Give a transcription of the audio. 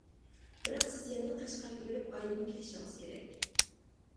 بىراق، سىز يەنىلا قەشقەرگە بېرىپ ئايلىنىپ كېلىشىڭىز كېرەك.